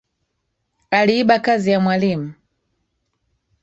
Aliiba kazi ya mwalimu